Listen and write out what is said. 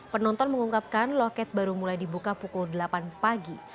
penonton mengungkapkan loket baru mulai dibuka pukul delapan pagi